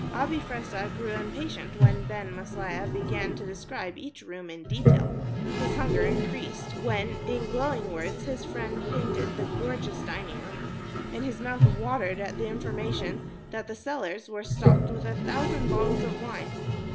Abi Fressah grew impatient when Ben Maslia began to describe each room in detail, his hunger increased when, in glowing words, his friend painted the gorgeous dining room, and his mouth watered at the information that the cellars were stocked with a thousand bottles of wine.